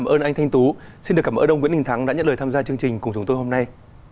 ông nguyễn đình thắng đã nhận lời tham gia chương trình cùng chúng tôi hôm nay